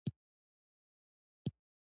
هندي صنعتونه له منځه لاړل.